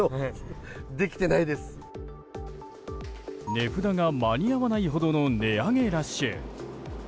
値札が間に合わないほどの値上げラッシュ。